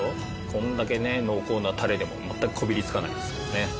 これだけね濃厚なタレでも全くこびりつかないですからね。